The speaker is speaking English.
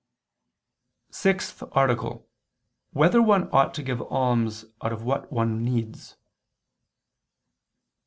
32, Art. 6] Whether One Ought to Give Alms Out of What One Needs?